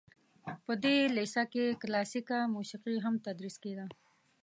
په دې لیسه کې کلاسیکه موسیقي هم تدریس کیده.